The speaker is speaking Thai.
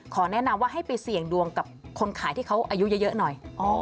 แนะนำว่าให้ไปเสี่ยงดวงกับคนขายที่เขาอายุเยอะหน่อย